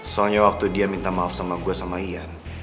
soalnya waktu dia minta maaf sama gue sama iya